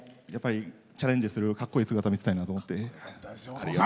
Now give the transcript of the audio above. チャレンジするかっこいい姿見せたいなと思って。